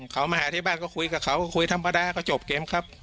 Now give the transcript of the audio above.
เขามาหาที่บ้านก็คุยกับเขาก็คุยธรรมดาก็จบเกมครับ